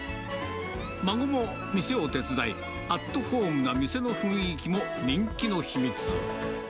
孫も店を手伝い、アットホームな店の雰囲気も人気の秘密。